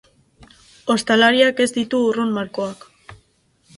Ostalariak ez ditu urrun malkoak.